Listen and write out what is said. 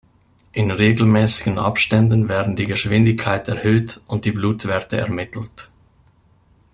In regelmäßigen Abständen werden die Geschwindigkeit erhöht und die Blutwerte ermittelt.